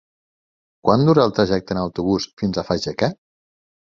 Quant dura el trajecte en autobús fins a Fageca?